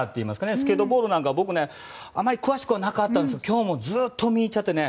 スケートボードなんかは僕、あまり詳しくなかったんですけど今日もずっと見入っちゃって。